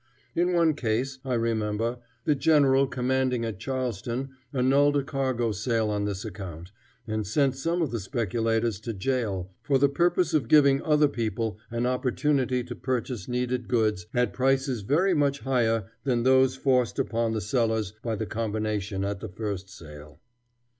In one case, I remember, the general commanding at Charleston annulled a cargo sale on this account, and sent some of the speculators to jail for the purpose of giving other people an opportunity to purchase needed goods at prices very much higher than those forced upon the sellers by the combination at the first sale.